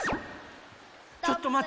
ちょっとまって！